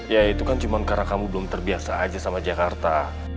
ya itu kan cuma karena kamu belum terbiasa aja sama jakarta